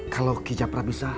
kalau ki japra bisa